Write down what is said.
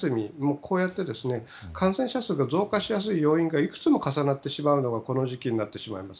こうやって感染者数が増加しやすい要因がいくつも重なってしまうこの時期になってしまいます。